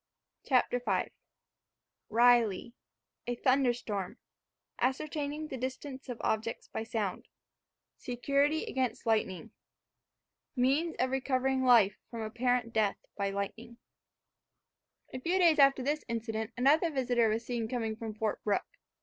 CHAPTER V RILEY A THUNDERSTORM ASCERTAINING THE DISTANCE OF OBJECTS BY SOUND SECURITY AGAINST LIGHTNING MEANS OF RECOVERING LIFE FROM APPARENT DEATH BY LIGHTNING A few days after this incident another visitor was seen coming from Fort Brooke.